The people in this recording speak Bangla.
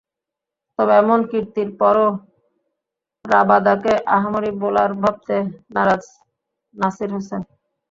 তবে এমন কীর্তির পরও রাবাদাকে আহামরি বোলার ভাবতে নারাজ নাসির হোসেন।